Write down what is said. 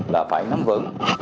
là phải nắm vững